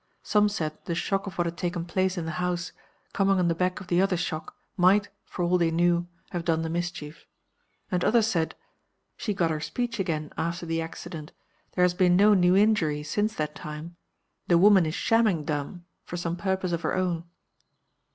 Some said the shock of what had taken place in the house, coming on the back of the other shock, might, for all they knew, have done the mischief. And others said, 'She got her speech again after the accident; there has been no new injury since that time; the woman is shamming dumb, for some purpose of her own.